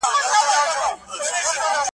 په ماشومو یتیمانو به واسکټ نه سي منلای `